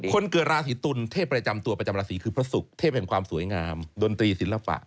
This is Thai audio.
คนเกิดราศีตุลเทพประจำตัวประจำราศีคือพระศุกร์เทพแห่งความสวยงามดนตรีศิลปะ